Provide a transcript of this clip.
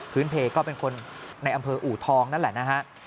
เพลก็เป็นคนในอำเภออูทองนั่นแหละนะฮะ